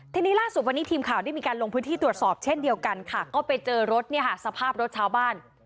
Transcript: ทีนี้ล่าสุดวันนี้ทีมข่าวได้มีการลงพื้นที่ตรวจสอบเช่นเดียวกันค่ะก็ไปเจอรถเนี่ยค่ะสภาพรถชาวบ้าน